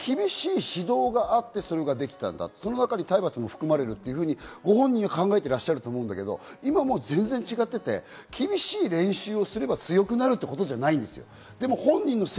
そこで厳しい指導があって、それができた、その中に体罰も含まれると、ご本人は考えていらっしゃると思うけど、今は全然違っていて、厳しい練習をすれば強くなるってことじゃないんですよ。